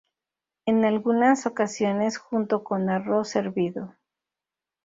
En algunas ocasiones junto con arroz hervido.